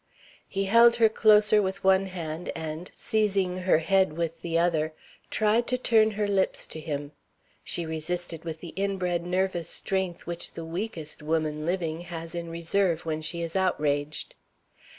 He held her closer with one hand, and, seizing her head with the other, tried to turn her lips to him. She resisted with the inbred nervous strength which the weakest woman living has in reserve when she is outraged.